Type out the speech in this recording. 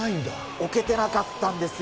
置けてなかったんですよ。